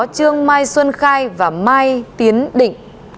tương mai xuân khai và mai tiến định